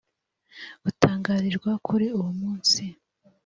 gutangarirwa kuri uwo munsi